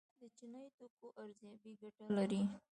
د چینایي توکو ارزاني ګټه لري؟